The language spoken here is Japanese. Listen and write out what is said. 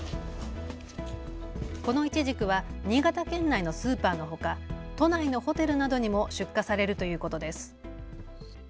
このイチジクは新潟県内のスーパーのほか都内のホテルなどにも出荷されるということです。